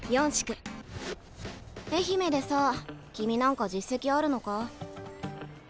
愛媛でさ君何か実績あるのか？